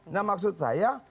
nah maksud saya